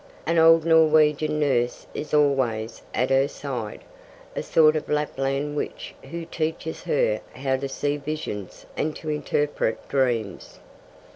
An old Norwegian nurse is always at her side, a sort of Lapland witch who teaches her how to see visions and to interpret dreams.